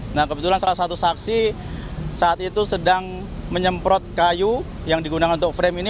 nah kebetulan salah satu saksi saat itu sedang menyemprot kayu yang digunakan untuk frame ini